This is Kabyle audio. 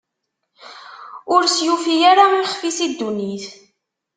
Ur as-yufi ara ixf-is i ddunit.